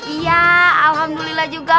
iya alhamdulillah juga